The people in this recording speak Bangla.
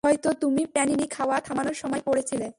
হয়তো তুমি প্যানিনি খাওয়া থামানোর সময় পড়েছিল।